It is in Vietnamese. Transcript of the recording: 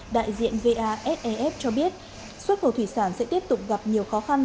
đại diện vasef cho biết xuất khẩu thủy sản sẽ tiếp tục gặp nhiều khó khăn